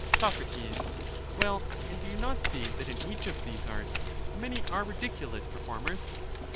Soc, Well, and do you not see that in each of these arts the many are ridiculous performers?